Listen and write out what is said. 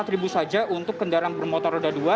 empat ribu saja untuk kendaraan bermotor roda dua